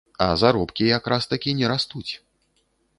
А заробкі якраз-такі не растуць.